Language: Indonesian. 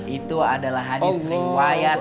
itu adalah hadis riwayat